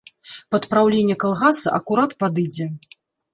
Пад праўленне калгаса акурат падыдзе.